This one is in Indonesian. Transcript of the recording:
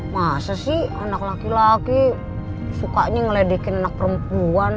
masa sih anak laki laki sukanya ngeledekin anak perempuan